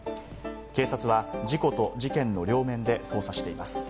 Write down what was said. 警察は事故と事件の両面で捜査しています。